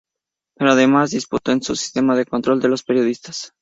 Pero además, dispuso un sistema de control de los periodistas.